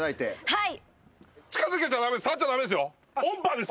はい。